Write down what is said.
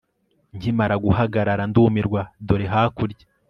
Nkimara guhagarara ndumirwa dore hakurya